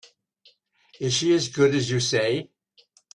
Is she as good as you say?